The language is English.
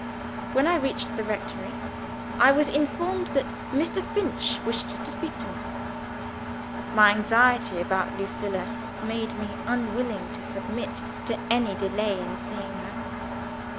When I reached the rectory, I was informed that Mr. Finch wished to speak to me. My anxiety about Lucilla made me unwilling to submit to any delay in seeing her.